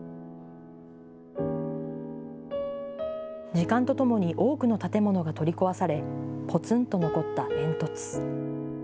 時間とともに多くの建物が取り壊され、ぽつんと残った煙突。